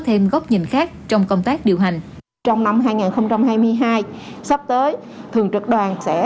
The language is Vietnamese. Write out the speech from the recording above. thêm góc nhìn khác trong công tác điều hành trong năm hai nghìn hai mươi hai sắp tới thường trực đoàn sẽ